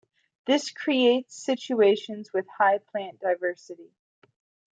This creates situations with high plant diversity.